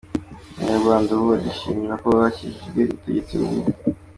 Abanyarwanda ubu barishimira ko bakijijwe ubutegetsi bubi.